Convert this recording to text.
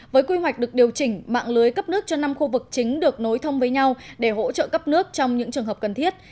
với quy hoạch được điều chỉnh mạng lưới cấp nước cho năm khu vực chính được nối thông với nhau để hỗ trợ cấp nước trong những trường hợp cần thiết